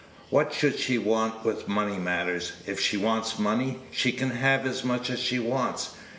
What should she want with money matters? If she wants money, she can have as much as she wants.